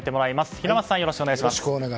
平松さんよろしくお願いします。